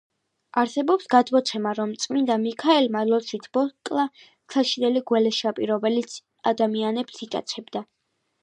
არსებობს გადმოცემა, რომ წმინდა მიქაელმა ლოცვით მოკლა საშინელი გველეშაპი, რომელიც ადამიანებს იტაცებდა.